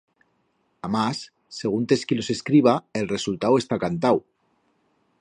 Amás, seguntes quí los escriba, el resultau está cantau.